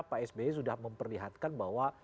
pak sby sudah memperlihatkan bahwa